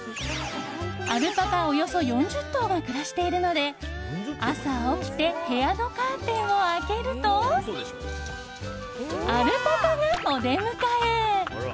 アルパカおよそ４０頭が暮らしているので朝起きて部屋のカーテンを開けるとアルパカがお出迎え。